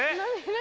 何？